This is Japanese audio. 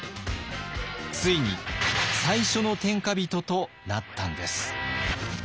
ついに最初の天下人となったんです。